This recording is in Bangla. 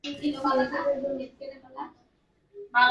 না, নোরাহ, আমরা এখানে আটকা পড়ি নাই, ঠিক আছে?